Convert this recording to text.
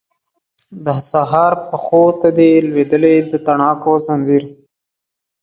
د سهار پښو ته دی لویدلی د تڼاکو ځنځیر